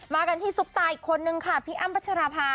กันที่ซุปตาอีกคนนึงค่ะพี่อ้ำพัชราภา